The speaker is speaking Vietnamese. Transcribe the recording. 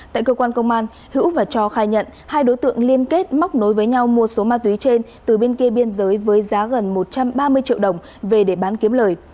tại cơ quan công an hữu và cho khai nhận hai đối tượng liên kết móc nối với nhau mua số ma túy trên từ bên kia biên giới với giá gần một trăm ba mươi triệu đồng về để bán kiếm lời